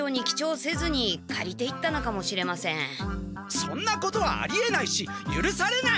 そんなことはありえないしゆるされない！